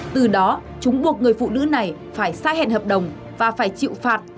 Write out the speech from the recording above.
từ đó chúng buộc người phụ nữ này phải xa hẹn hợp đồng và phải chịu phạt